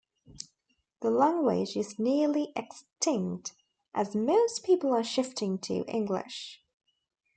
The language is nearly extinct, as most people are shifting to English.